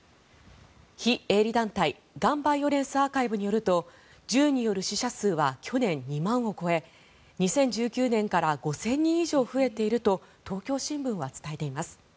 非営利団体ガン・バイオレンス・アーカイブによると銃による死者数は去年、２万人を超え２０１９年から５０００人以上増えていると東京新聞は伝えています。